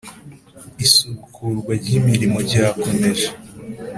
isubukurwa ry imirimo ryakomeje